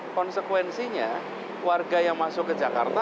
konsekuensinya warga yang masuk ke jakarta